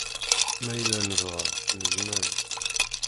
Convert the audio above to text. Ma yella nebɣa, nezmer.